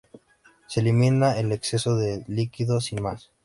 Se elimina el exceso de líquido sin más.